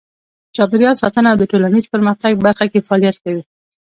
چاپیریال ساتنه او د ټولنیز پرمختګ برخه کې فعالیت کوي.